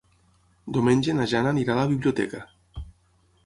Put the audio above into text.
Diumenge na Jana anirà a la biblioteca.